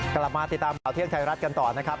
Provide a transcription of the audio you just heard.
กลับมาติดตามข่าวเที่ยงไทยรัฐกันต่อนะครับ